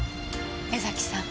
江崎さん。